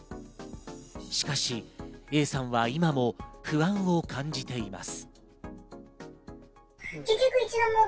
しかしＡさんは今も不安を感じています。